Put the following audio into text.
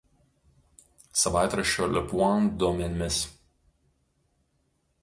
Savaitraščio Le Point duomenimis